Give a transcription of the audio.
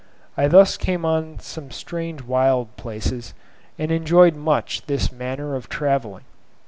I thus came on some strange wild places, and enjoyed much this manner of travelling.